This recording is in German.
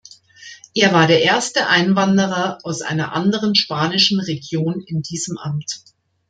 Er war der erste Einwanderer aus einer anderen spanischen Region in diesem Amt.